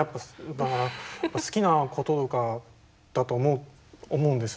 だから好きなこととかだと思うんですよ